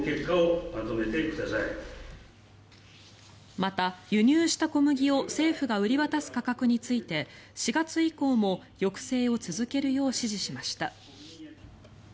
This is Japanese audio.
また、輸入した小麦を政府が売り渡す価格について４月以降も抑制を続けるよう指示しました。